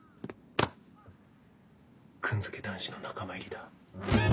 「くん」付け男子の仲間入りだ。